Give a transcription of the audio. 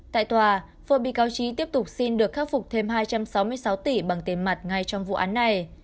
tại tòa bị cáo trí tiếp tục xin được khắc phục thêm hai trăm sáu mươi sáu tỷ bằng tiền mặt ngay trong vụ án này